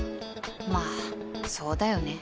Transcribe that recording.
まあそうだよね